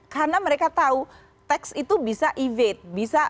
karena mereka tahu tax itu bisa evade